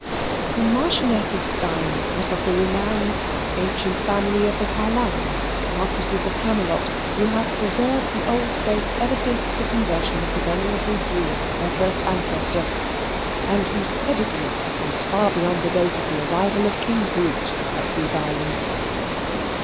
The Marchioness of Steyne was of the renowned and ancient family of the Caerlyons, Marquises of Camelot, who have preserved the old faith ever since the conversion of the venerable Druid, their first ancestor, and whose pedigree goes far beyond the date of the arrival of King Brute in these islands.